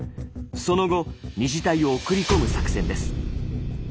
その後２次隊を送り込む作戦です。